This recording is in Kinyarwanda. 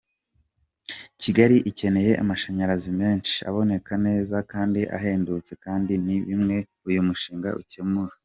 Kigali ikeneye amashanyazi menshi, aboneka neza kandi ahendutse kandi ni bimwe uyu mushinga uzakemura.”